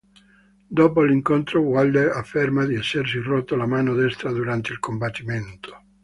Dopo l'incontro, Wilder afferma di essersi rotto la mano destra durante il combattimento.